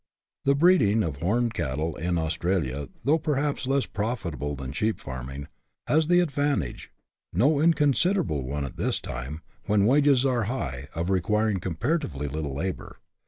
The breeding of horned cattle in Australia, though perhaps less profitable than sheep farming, has the advantage, no incon siderable one at this time, when wages are high, of requiring comparatively little labour.